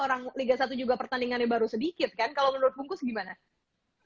liga satu juga pertandingannya baru sedikit kan